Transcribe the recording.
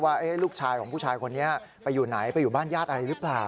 ว่าลูกชายของผู้ชายคนนี้ไปอยู่ไหนไปอยู่บ้านญาติอะไรหรือเปล่า